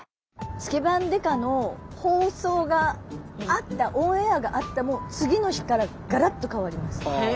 「スケバン刑事」の放送があったオンエアがあった次の日からがらっと変わりました。